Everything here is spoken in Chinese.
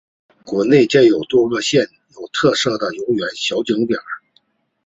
园内建有多个具有特色的游园小景点。